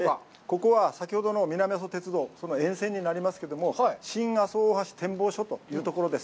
ここは、先ほどの南阿蘇鉄道、沿線になりますけども、新阿蘇大橋展望所というところです。